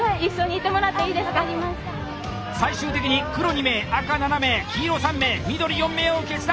最終的に黒２名赤７名黄色３名緑４名を決断！